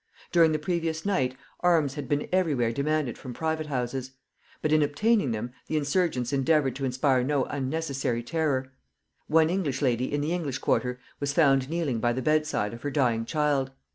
During the previous night, arms had been everywhere demanded from private houses; but in obtaining them the insurgents endeavored to inspire no unnecessary terror. One lady in the English quarter was found kneeling by the bedside of her dying child.